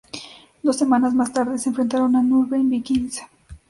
Dos semanas más tarde, se enfrentaron a Nürnberg Vikings.